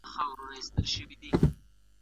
موږ د هېواد د پرمختګ له پاره کار کړی دی.